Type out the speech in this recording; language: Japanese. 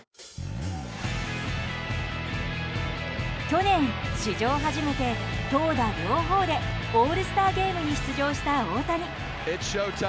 去年、史上初めて投打両方でオールスターゲームに出場した大谷。